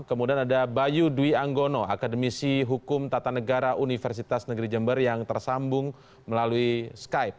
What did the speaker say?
kemudian ada bayu dwi anggono akademisi hukum tata negara universitas negeri jember yang tersambung melalui skype